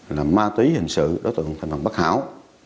là ma tí hình sự đối tượng thành phần bất hảo